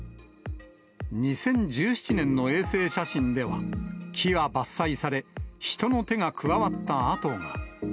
２０１７年の衛星写真では、木は伐採され、人の手が加わった跡が。